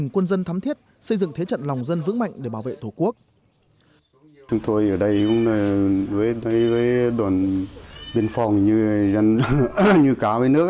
quân dân thắm thiết xây dựng thế trận lòng dân vững mạnh để bảo vệ tổ quốc